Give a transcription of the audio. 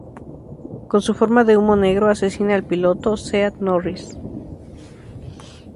Con su forma de humo negro asesina al piloto, Seth Norris.